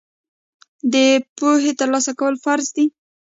د پوهې ترلاسه کول فرض دي.